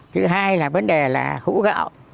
thứ hai là vấn đề là hũ gạo